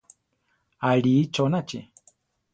Alíi chónachi.